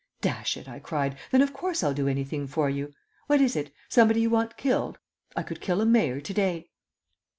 "Dash it," I cried, "then of course I'll do anything for you. What is it? Somebody you want killed? I could kill a mayor to day."